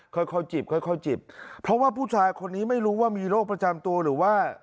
ค่อยค่อยจิบค่อยค่อยจิบเพราะว่าผู้ชายคนนี้ไม่รู้ว่ามีโรคประจำตัวหรือว่า